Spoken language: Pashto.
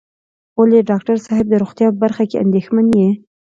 ولې د ډاکټر صاحب د روغتيا په برخه کې اندېښمن یې.